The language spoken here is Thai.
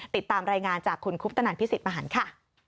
ติดตามรายงานจากคุณคุปตนันพิสิทธิมหันค่ะ